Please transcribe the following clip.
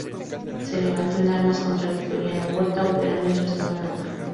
Se levantó en armas contra Victoriano Huerta, operando en su estado natal.